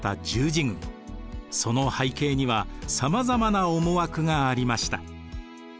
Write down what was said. その背景には様々な思惑がありました。